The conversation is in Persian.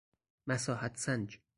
مساحت سنج